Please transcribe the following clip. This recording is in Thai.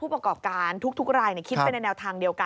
ประกอบการทุกรายคิดไปในแนวทางเดียวกัน